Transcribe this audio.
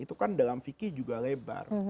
itu kan dalam fikir juga lebar